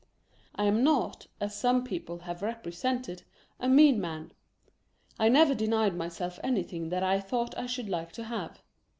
I am not, as some people have represented, a mean man. X never denied myself anything that I thought I should like to have.